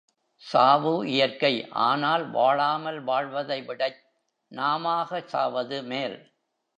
சாவு, இயற்கை ஆனால் வாழாமல் வாழ்வதைவிடச் நாமாக சாவது மேல்.